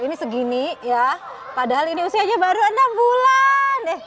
ini segini ya padahal ini usianya baru enam bulan